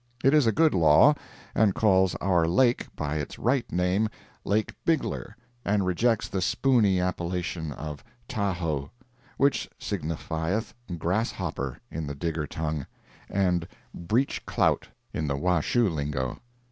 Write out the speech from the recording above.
It is a good law, and calls our lake by its right name Lake Bigler—and rejects the spooney appellation of "Tahoe," which signifieth "grasshopper" in the Digger tongue, and "breech clout" in the Washoe lingo.